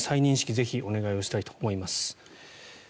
ぜひお願いしたいと思います。